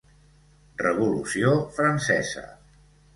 Revolució Francesa.